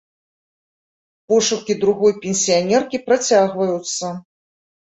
Пошукі другой пенсіянеркі працягваюцца.